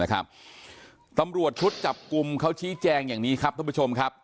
ตำรวจชุดจับกลุ่มเขาชี้แจงอย่างนี้ครับท่านผู้ชมครับ